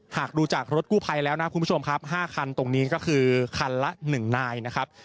หากดูจากรถกู้ภัยแล้วนะคุณผู้ชมครับ๕คันตรงนี้ก็คือคันละ๑นายนะครับ